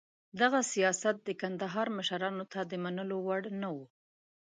دغه سیاست د کندهار مشرانو ته د منلو وړ نه و.